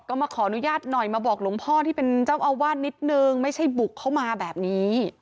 ก็มาขออนุญาตหน่อยมาบอกหลวงพ่อที่เป็นเจ้าอาวาสนิดนึงไม่ใช่บุกเข้ามาแบบนี้